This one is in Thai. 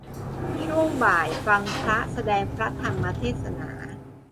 ช่วงบ่าย ฟังพระแสดงพระธรรมเทศนา